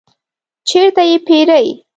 چیرته یی پیرئ؟